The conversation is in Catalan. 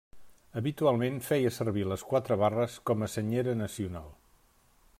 Habitualment feia servir les quatre barres com a senyera nacional.